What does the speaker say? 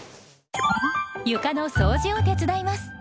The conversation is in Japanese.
床の掃除を手伝います。